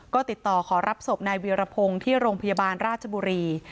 ก็ติดต่อขอรับศพนายเวียรพงศ์ที่โรงพยาบาลราชบุรี